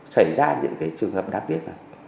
xảy ra những trường hợp đáng tiếc